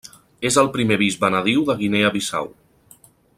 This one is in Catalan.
És el primer bisbe nadiu de Guinea Bissau.